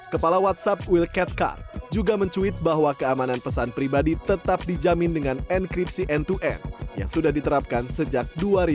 kepala whatsapp wilkedcar juga mencuit bahwa keamanan pesan pribadi tetap dijamin dengan enkripsi end to end yang sudah diterapkan sejak dua ribu dua